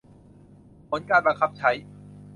ผลการบังคับใช้